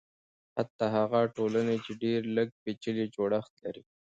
حتی هغه ټولنې چې ډېر لږ پېچلی جوړښت لري.